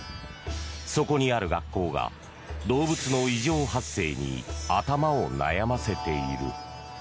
そこにある学校が動物の異常発生に頭を悩ませている。